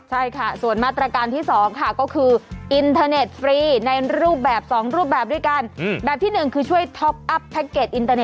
ใช่ค่ะส่วนมาตรการที่๒ก็คืออินเทอร์เน็ตฟรีในรูปแบบ๒รูปแบบด้วยกัน